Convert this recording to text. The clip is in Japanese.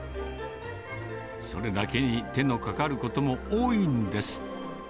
それだけに、手のかかることも多いんです。